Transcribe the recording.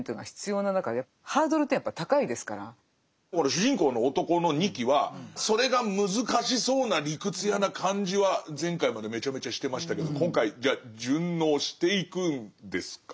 主人公の男の仁木はそれが難しそうな理屈屋な感じは前回までめちゃめちゃしてましたけど今回じゃあ順応していくんですか？